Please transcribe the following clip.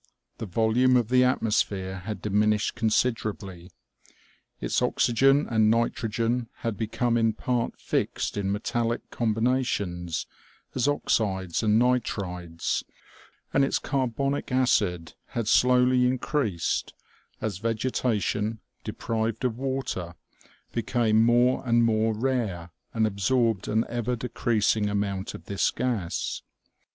The volume of the atmosphere had diminished considerably. Its oxygen and nitrogen had become in part fixed in metallic combina tions, as oxides and nitrides, and its carbonic acid had slowly increased, as vegetation, deprived of water, became more and more rare and absorbed an ever decreasing amount of this gas.